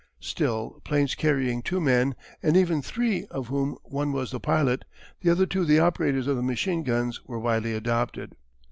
Still planes carrying two men, and even three of whom one was the pilot, the other two the operators of the machine guns were widely adopted.